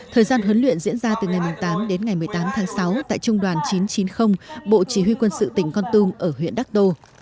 thời gian huấn luyện diễn ra từ ngày tám đến ngày một mươi tám tháng sáu tại trung đoàn chín trăm chín mươi bộ chỉ huy quân sự tỉnh con tum ở huyện đắc đô